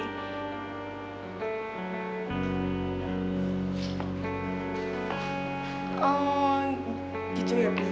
eee gitu ya pi